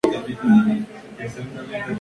Es su última producción.